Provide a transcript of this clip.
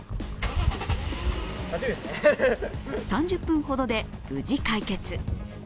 ３０分ほどで無事解決。